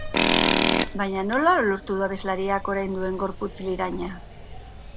Baina nola lortu du abeslariak orain duen gorputz liraina?